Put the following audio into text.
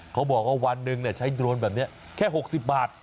เขาบอกว่าวันหนึ่งใช้โดรนแบบนี้แค่๖๐บาท